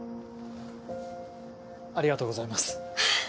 ありがとうございます。